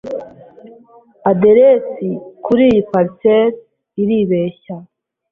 Aderesi kuriyi parcelle iribeshya.